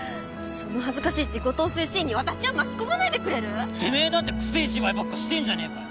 その恥ずかしい自己陶酔シーンに私を巻き込まないでくれる⁉てめぇだってくせぇ芝居ばっかしてんじゃねぇかよ！